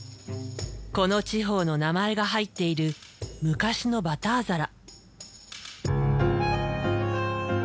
この地方の名前が入っている昔のバター皿。